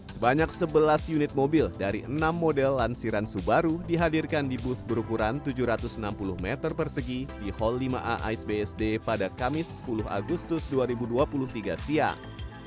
sebanyak sebelas unit mobil dari enam model lansiran subaru dihadirkan di booth berukuran tujuh ratus enam puluh meter persegi di hall lima a aisbsd pada kamis sepuluh agustus dua ribu dua puluh tiga siang